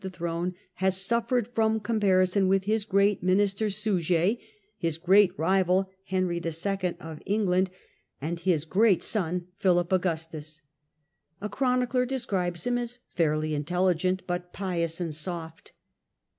the throne, has suffered from comparison with his great 1137 1180 minister Suger, his great rival, Henry II. of England, 106 THE CENTRAL PERIOD OF THE MIDDLE AGE and his great son, Philip Augustus. A chronicler describes him as "fairly intelligent, but pious and soft."